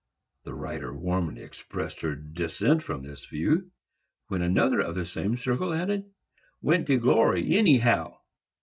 The writer warmly expressed her dissent from this view, when another of the same circle added, "Went to glory, anyhow."